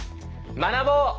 学ぼう！